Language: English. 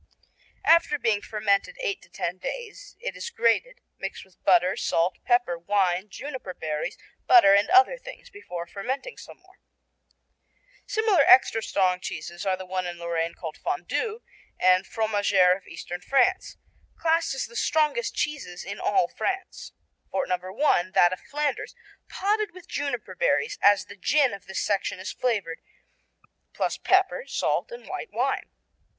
After being fermented eight to ten days it is grated, mixed with butter, salt, pepper, wine, juniper berries, butter and other things, before fermenting some more. Similar extra strong cheeses are the one in Lorraine called Fondue and Fromagère of eastern France, classed as the strongest cheeses in all France. Fort No. I: That of Flanders, potted with juniper berries, as the gin of this section is flavored, plus pepper, salt and white wine.